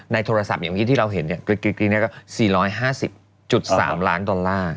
ในโทรศัพท์อย่างวันนี้ที่เราเห็นเนี่ยกรี๊ดเนี่ยก็๔๕๐๓ล้านดอลลาร์